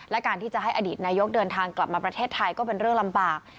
และการที่จะให้อดีตนายกเดินทางกลับมาประเทศไทยก็เป็นเรื่องลำบาก